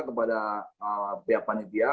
kepada pihak panitia